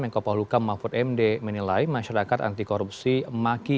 menko paluka mahfud md menilai masyarakat anti korupsi maki